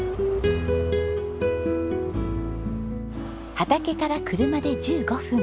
畑から車で１５分。